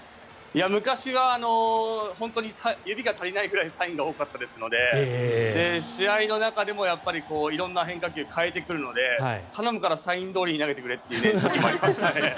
昔は本当に指が足りないぐらいサインが多かったですので試合の中でも色んな変化球、変えてくるので頼むからサインどおりに投げてくれって思いましたね。